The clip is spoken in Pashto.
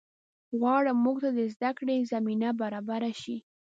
غواړم مونږ ته د زده کړې زمینه برابره شي